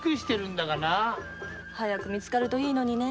早く見つかるといいのにね。